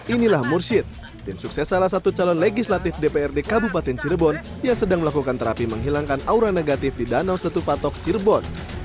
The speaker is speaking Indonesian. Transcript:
inilah mursyid tim sukses salah satu calon legislatif dprd kabupaten cirebon yang sedang melakukan terapi menghilangkan aura negatif di danau setupatok cirebon